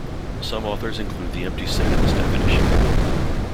Some authors include the empty set in this definition.